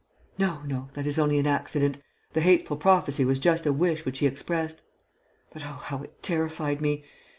"No, no, that is only an accident. The hateful prophecy was just a wish which he expressed. But oh, how it terrified me!